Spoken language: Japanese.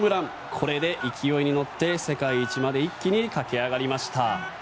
これで勢いに乗って世界一まで一気に駆け上がりました！